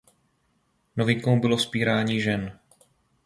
Novinkou bylo vzpírání žen.